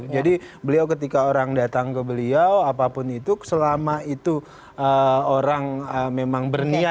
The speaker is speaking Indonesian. jadi tulus saja ya